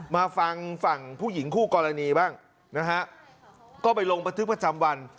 มาฟังฝั่งผู้หญิงคู่กรณีบ้างนะฮะก็ไปลงบันทึกประจำวัน